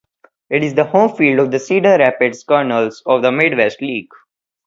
It is the home field of the Cedar Rapids Kernels of the Midwest League.